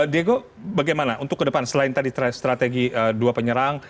diego bagaimana untuk ke depan selain tadi strategi dua penyerang